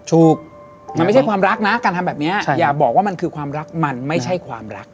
ถูกมันไม่ใช่ความรักนะการทำแบบนี้อย่าบอกว่ามันคือความรักมันไม่ใช่ความรัก